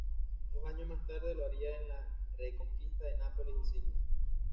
Dos años más tarde lo haría en la reconquista de Nápoles y Sicilia.